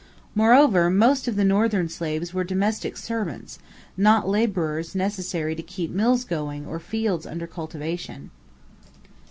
Moreover, most of the Northern slaves were domestic servants, not laborers necessary to keep mills going or fields under cultivation.